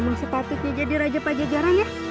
memang sepatutnya jadi raja pajajaran ya